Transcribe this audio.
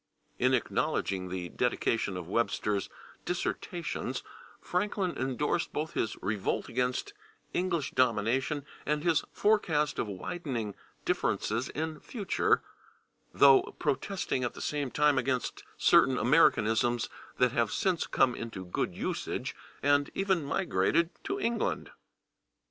In acknowledging the dedication of Webster's "Dissertations" Franklin endorsed both his revolt against English domination and his forecast of widening differences in future, though protesting at the same time against certain Americanisms that have since come into good usage, and even migrated to England.